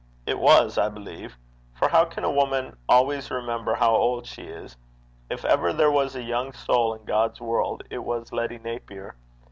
It was, I believe; for how can a woman always remember how old she is? If ever there was a young soul in God's world, it was Letty Napier.